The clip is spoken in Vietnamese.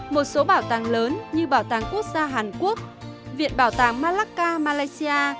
một số bảo tàng lớn như bảo tàng quốc gia hàn quốc viện bảo tàng malacca malaysia